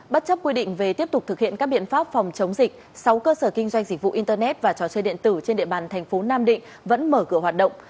bất chấp quy định về tiếp tục thực hiện các biện pháp phòng chống dịch sáu cơ sở kinh doanh dịch vụ internet và trò chơi điện tử trên địa bàn thành phố nam định vẫn mở cửa hoạt động